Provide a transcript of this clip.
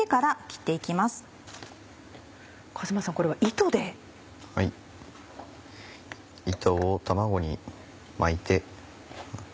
糸を卵に巻いて。